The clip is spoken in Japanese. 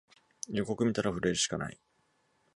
予告みたら震えるしかない